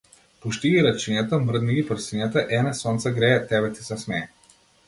Пушти ги рачињата, мрдни ги прстињата, ене сонце грее, тебе ти се смее.